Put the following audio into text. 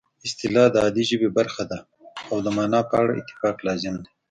اصطلاح د عادي ژبې برخه ده او د مانا په اړه اتفاق لازم دی